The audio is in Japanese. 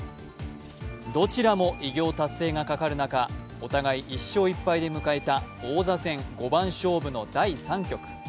どちらも偉業達成がかかる中お互い１勝１敗で迎えた王座戦五番勝負の第３局。